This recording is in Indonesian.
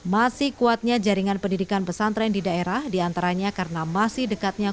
masih kuatnya jaringan pendidikan pesantren di daerah diantaranya karena masih dekatnya